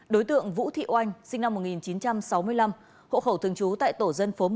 đối tượng vũ thị oanh sinh năm một nghìn chín trăm sáu mươi năm hộ khẩu thường trú tại tổ dân phố một